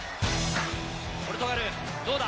ポルトガル、どうだ？